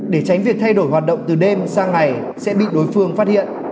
để tránh việc thay đổi hoạt động từ đêm sang ngày sẽ bị đối phương phát hiện